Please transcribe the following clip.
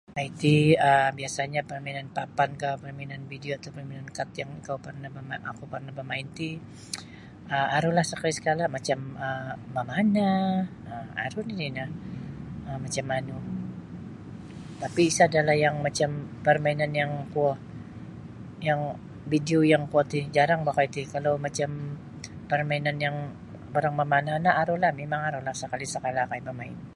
um Iti um biasanyo permainan papankah parmainan video atau parmainan kat yang kau parnah bamain oku parnah bamain ti um arulah sakali sakala macam mamanah aru nini' ino macam manu tapi' sadalah yang macam parmainan yang kuo yang video yang kuo ti jarang bah okoi ti kalau macam parmainan yang barang mamanah no arulah mimang arulah sakali' sakala okoi bamain.